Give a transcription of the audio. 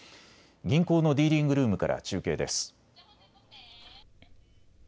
銀行のディーリングルームから中継です。